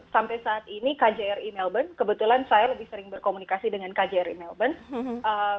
sampai saat ini kjri melbourne kebetulan saya lebih sering berkomunikasi dengan kjri melbourne